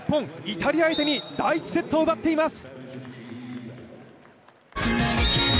イタリア相手に第１セットを奪っています。